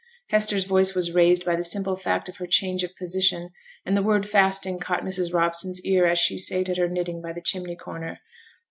Hester's voice was raised by the simple fact of her change of position; and the word fasting caught Mrs. Robson's ear, as she sate at her knitting by the chimney corner.